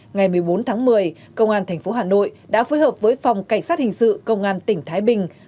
ngày một mươi bốn tháng một mươi công an tp hà nội đã phối hợp với phòng cảnh sát hình sự công an tỉnh thái bình